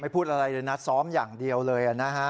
พูดอะไรเลยนะซ้อมอย่างเดียวเลยนะฮะ